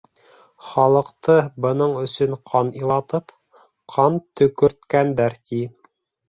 Халыҡты бының өсөн ҡан илатып, ҡан төкөрткәндәр, ти.